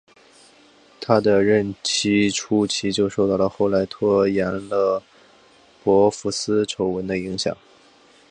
他的任期初期就受到了后来拖延了博福斯丑闻的影响。